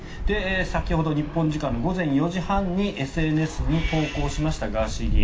先ほど、日本時間の午前４時にＳＮＳに投稿しましたガーシー議員。